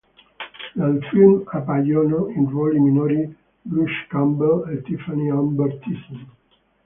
Nel film appaiono, in ruoli minori, Bruce Campbell e Tiffani-Amber Thiessen.